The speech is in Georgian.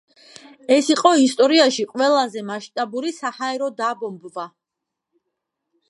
ეს იყო ისტორიაში ყველაზე მასშტაბური საჰაერო დაბომბვა.